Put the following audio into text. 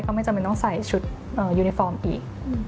ไม่จำเป็นต้องใส่ชุดยูนิฟอร์มอีก